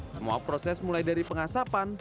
semua proses mulai dari pengasapan